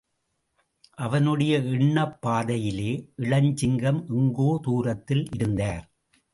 அவனுடைய எண்ணப் பாதையிலே இளஞ்சிங்கம் எங்கோ தூரத்தில் இருந்தார்.